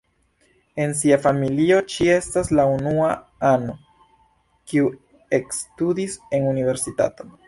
En sia familio ŝi estas la unua ano, kiu ekstudis en universitato.